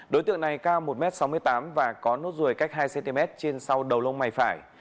đối tượng này cao một m sáu mươi tám và có nốt ruồi cách hai cm trên sau đầu lông mày phải